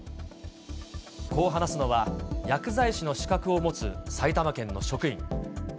こう話すのは、薬剤師の資格を持つ埼玉県の職員。